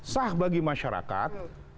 sah bagi masyarakat